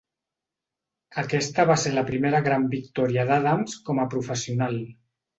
Aquesta va ser la primera gran victòria d'Adams com a professional.